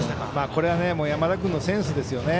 これは山田君のセンスですよね。